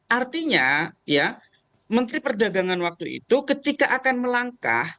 artinya ya menteri perdagangan waktu itu ketika akan melangkah